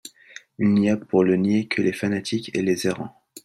Il n'y a pour le nier que les fanatiques et les errants.